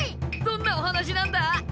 どんなお話なんだ？